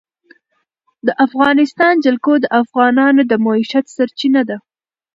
د افغانستان جلکو د افغانانو د معیشت سرچینه ده.